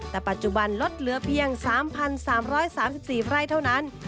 แต่ปัจจุบันลดเหลือเพียง๓๓๔ไร่เท่านั้น